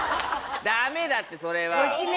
ダメだってそれは。